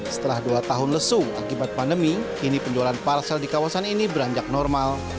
setelah dua tahun lesu akibat pandemi kini penjualan parsel di kawasan ini beranjak normal